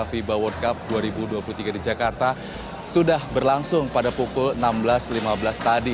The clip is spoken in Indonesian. fiba world cup dua ribu dua puluh tiga di jakarta sudah berlangsung pada pukul enam belas lima belas tadi